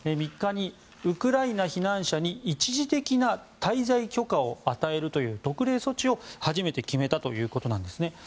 ３日に、ウクライナ避難者に一時的な滞在許可を与えるという特例措置を初めて決めたということです。